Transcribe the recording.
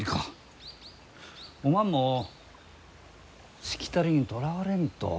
おまんもしきたりにとらわれんと。